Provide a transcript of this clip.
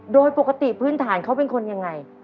โดยปกติพื้นฐานเขาเป็นคนยังไง